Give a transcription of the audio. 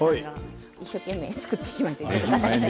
一生懸命作ってきました。